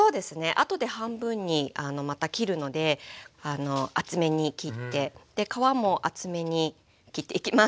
あとで半分にまた切るので厚めに切って皮も厚めに切っていきます。